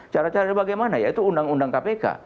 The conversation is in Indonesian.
cara cara bagaimana yaitu undang undang kpk